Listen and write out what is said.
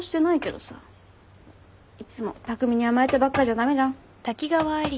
いつも匠に甘えてばっかじゃ駄目じゃん。